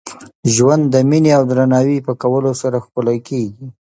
ژوند د میني او درناوي په کولو سره ښکلی کېږي.